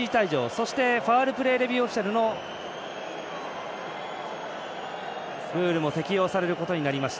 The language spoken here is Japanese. そしてファウルプレーレビューオフィシャルのルールも適応されることにもなります。